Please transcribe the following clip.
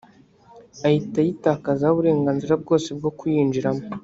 ahita ayitakazaho uburenganzira bwose bwo kuyinjiramo